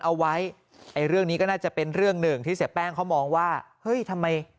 เอาไว้ไอ้เรื่องนี้ก็น่าจะเป็นเรื่องหนึ่งที่เสียแป้งเขามองว่าเฮ้ยทำไม